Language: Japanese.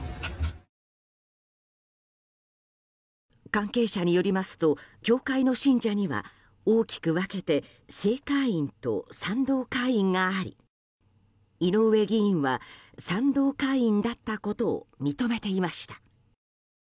関係者によりますと教会の信者には大きく分けて正会員と賛同会員があり井上議員は賛同会員だったことを認めていました。